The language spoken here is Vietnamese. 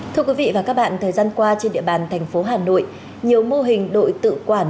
thưa quý vị và các bạn thời gian qua trên địa bàn tp hcm nhiều mô hình đội tự quản